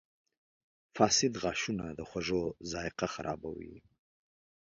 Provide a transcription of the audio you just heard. • فاسد غاښونه د خوړو ذایقه خرابوي.